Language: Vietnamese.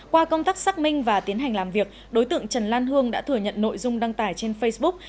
qua công tác xác minh và tiến hành làm việc đối tượng trần lan hương đã thừa nhận nội dung đăng tải trên facebook